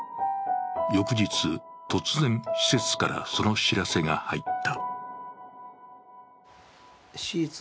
翌日、突然、施設からその知らせが入った。